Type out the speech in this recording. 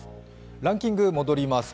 ランキング、戻ります。